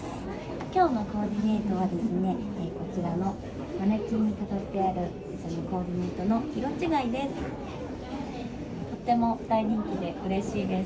きょうのコーディネートはですね、こちらのマネキンに飾ってあるコーディネートの色違いです。